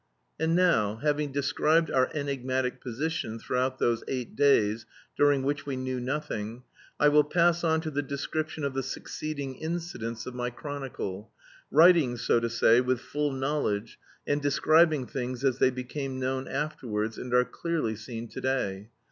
And now, having described our enigmatic position throughout those eight days during which we knew nothing, I will pass on to the description of the succeeding incidents of my chronicle, writing, so to say, with full knowledge, and describing things as they became known afterwards, and are clearly seen to day.